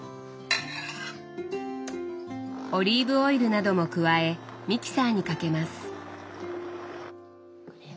オリーブオイルなども加えミキサーにかけます。